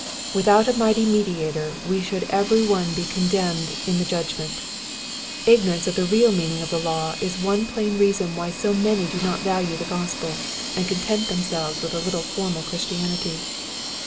Without a mighty Mediator we should every one be condemned in the judgment. Ignorance of the real meaning of the law is one plain reason why so many do not yalue the Gospel, and content themselves with a little formal Christianity.